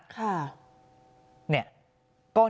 ก็น่าจะไปยิงแม่ยายเสร็จปั๊บ